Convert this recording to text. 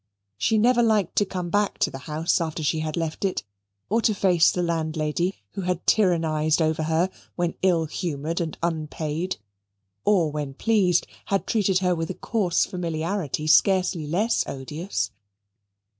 She never liked to come back to the house after she had left it, or to face the landlady who had tyrannized over her when ill humoured and unpaid, or when pleased had treated her with a coarse familiarity scarcely less odious.